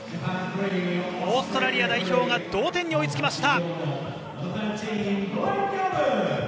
オーストラリア代表が同点に追いつきました。